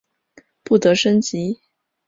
不得升级。